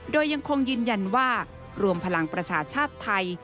โดยยังคงยืนยันว่ารวมพลังประชาชาติไทย